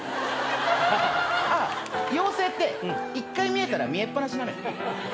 あっ妖精って１回見えたら見えっぱなしなのよ。